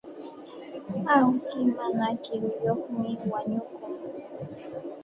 Awki mana kiruyuqmi wañukun.